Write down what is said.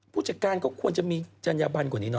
ผู้จัดการก็ควรจะมีจัญญบันกว่านี้เน